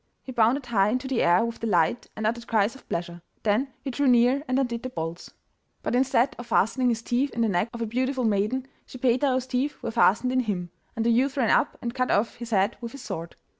He bounded high into the air with delight and uttered cries of pleasure; then he drew near and undid the bolts. But instead of fastening his teeth in the neck of a beautiful maiden, Schippeitaro's teeth were fastened in HIM, and the youth ran up and cut off his head with his sword.